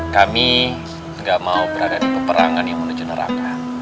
kami tidak mau berada di peperangan yang menuju neraka